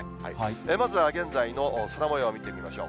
まずは現在の空もよう見てみましょう。